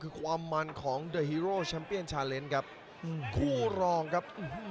โอ้โหมันจริงจริงครับ